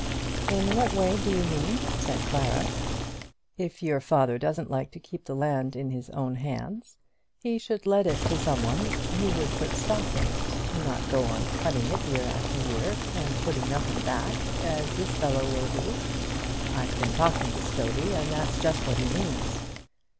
"In what way do you mean?" said Clara. "If your father doesn't like to keep the land in his own hands, he should let it to some one who would put stock in it, not go on cutting it year after year, and putting nothing back, as this fellow will do. I've been talking to Stovey, and that's just what he means."